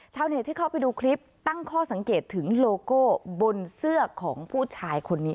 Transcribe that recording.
ชาวเน็ตที่เข้าไปดูคลิปตั้งข้อสังเกตถึงโลโก้บนเสื้อของผู้ชายคนนี้